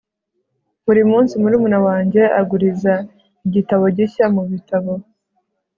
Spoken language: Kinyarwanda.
buri munsi, murumuna wanjye aguriza igitabo gishya mubitabo